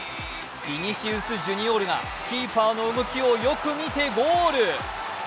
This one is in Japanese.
ヴィニシウス・ジュニオールがキーパーの動きをよく見てゴール。